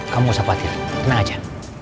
kamu jangan khawatir tenang aja